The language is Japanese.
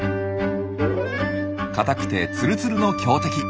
硬くてツルツルの強敵。